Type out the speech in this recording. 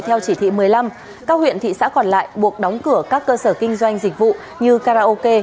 theo chỉ thị một mươi năm các huyện thị xã còn lại buộc đóng cửa các cơ sở kinh doanh dịch vụ như karaoke